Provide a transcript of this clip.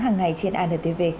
hàng ngày trên antv